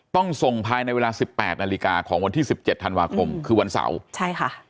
ต้องส่งภายในเวลา๑๘นาฬิกาของวันที่๑๗ธันวาคมคือวันเสาร์